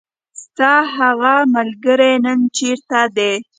ستاهغه ملګری نن چیرته ده .